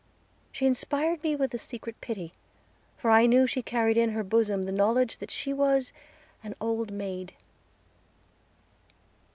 She inspired me with a secret pity; for I knew she carried in her bosom the knowledge that she was an old maid.